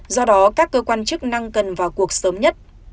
do đó các cơ quan chức năng cần vào cuộc sớm nhất